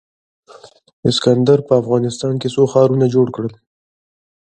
اسکندر په افغانستان کې څو ښارونه جوړ کړل